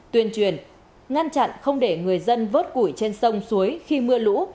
tuyên truyền ngăn chặn không để người dân vớt củi trên sông suối khi mưa lũ